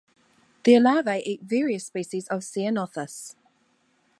Their larvae eat various species of "Ceanothus".